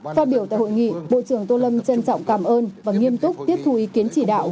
phát biểu tại hội nghị bộ trưởng tô lâm trân trọng cảm ơn và nghiêm túc tiếp thu ý kiến chỉ đạo